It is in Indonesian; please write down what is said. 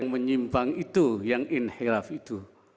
menyimpang itu yang in hiraf itu